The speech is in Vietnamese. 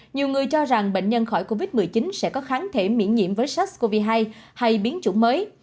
nhiều người cho rằng bệnh nhân khỏi covid một mươi chín sẽ có kháng thể miễn nhiễm với sars cov hai hay biến chủng mới